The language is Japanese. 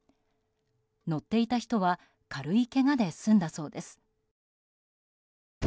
乗っていた人は軽いけがで済んだそうです。